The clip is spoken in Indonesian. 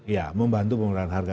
ya membantu menekan harga